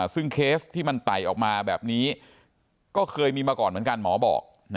ซึ่งเคสที่มันไต่ออกมาแบบนี้ก็เคยมีมาก่อนเหมือนกันหมอบอก